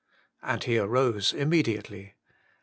And he arose immediately."